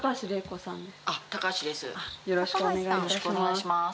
よろしくお願いします。